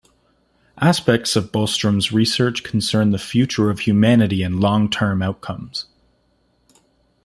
Aspects of Bostrom's research concern the future of humanity and long-term outcomes.